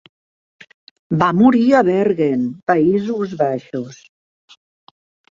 Va morir a Bergen, Països Baixos.